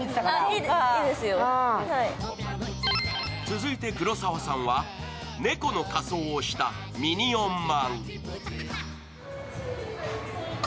続いて黒沢さんは猫の仮装をしたミニオンまん。